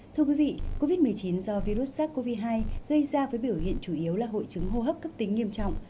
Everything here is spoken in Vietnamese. thưa quý vị covid một mươi chín do virus sars cov hai gây ra với biểu hiện chủ yếu là hội chứng hô hấp cấp tính nghiêm trọng